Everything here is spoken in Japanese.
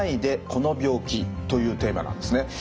この病気」というテーマなんですね。